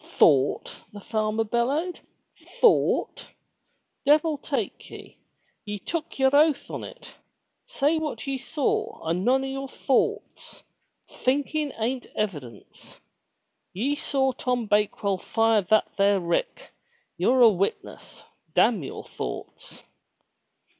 "Thought!" the farmer bellowed. "Thought! Devil take ye. Ye took yer oath on it! Say what ye saw and none o' your thoughts! Thinkin' an't evidence! Ye saw Tom Bakewell fire that there rick. You're a witness. Damn your thoughts!"